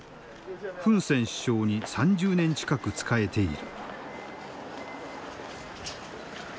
フン・セン首相に３０年近く仕えている。